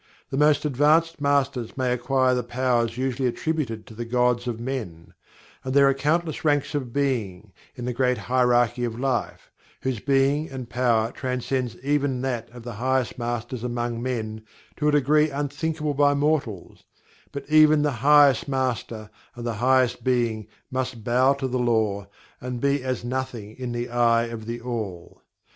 The most advanced Masters may acquire the powers usually attributed to the gods of men; and there are countless ranks of being, in the great hierarchy of life, whose being and power transcends even that of the highest Masters among men to a degree unthinkable by mortals, but even the highest Master, and the highest Being, must bow to the Law, and be as Nothing in the eye of THE ALL.